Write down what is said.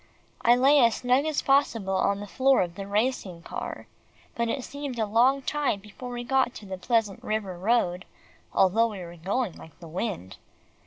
I lay as snug as possible on the floor of the racing car, but it seemed a long time before we got on the Pleasant River Road, although we were going like the wind.